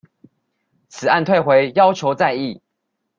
此案退回要求再議